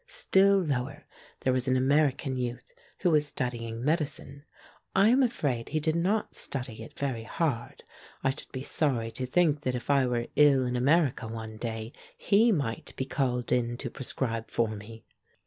Still lower there was an American youth who was studying INIedicine. I am afraid he did not study it very hard ; I should be sorry to think that if I were ill in America one day, he might be called in to prescribe for me.